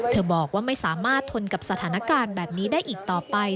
บอกว่าไม่สามารถทนกับสถานการณ์แบบนี้ได้อีกต่อไป